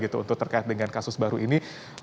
untuk terkait dengan kasus baru ini